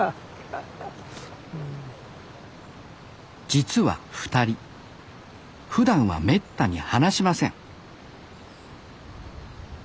実は２人ふだんはめったに話しません